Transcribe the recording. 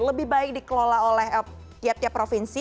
lebih baik dikelola oleh tiap tiap provinsi